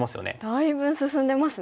だいぶん進んでますね。